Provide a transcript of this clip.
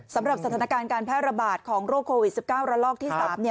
สำหรับสถานการณ์การแพร่ระบาดของโรคโควิด๑๙ระลอกที่๓